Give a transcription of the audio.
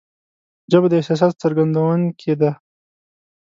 ژبه د احساساتو څرګندونکې ده